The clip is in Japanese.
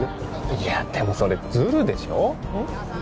いやでもそれズルでしょううん？